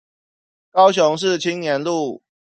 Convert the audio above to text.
高雄市青年路